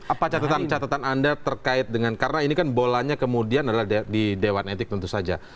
apa catatan catatan anda terkait dengan karena ini kan bolanya kemudian adalah di dewan etik tentu saja